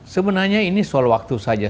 sebenarnya ini soal waktu saja